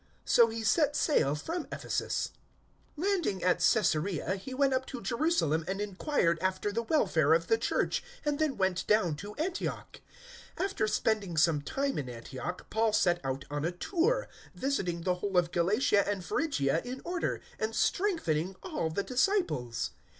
So he set sail from Ephesus. 018:022 Landing at Caesarea, he went up to Jerusalem and inquired after the welfare of the Church, and then went down to Antioch. 018:023 After spending some time in Antioch, Paul set out on a tour, visiting the whole of Galatia and Phrygia in order, and strengthening all the disciples.